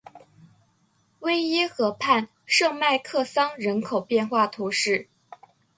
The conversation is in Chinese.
维耶河畔圣迈克桑人口变化图示